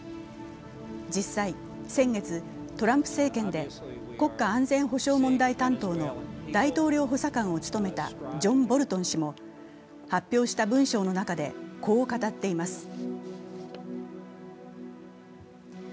実際、先月、トランプ政権で国家安全保障問題担当のジョン・ボルトン氏も発表した文章の中でこう語っています。